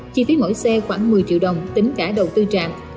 chi phí mỗi xe khoảng một mươi triệu đồng tính cả đầu tư trạm